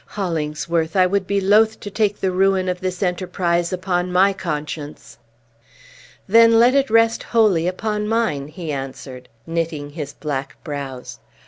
Hollingsworth, I would be loath to take the ruin of this enterprise upon my conscience." "Then let it rest wholly upon mine!" he answered, knitting his black brows.